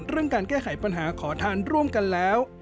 การแก้ไขปัญหาขอทานร่วมกันแล้ว